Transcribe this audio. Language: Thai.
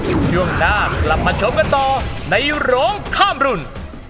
ช่วงหน้ากลับมาชมกันต่อในร้องข้ามรุ่น